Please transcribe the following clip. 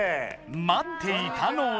待っていたのは。